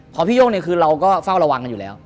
พี่โย่งเนี่ยคือเราก็เฝ้าระวังกันอยู่แล้ว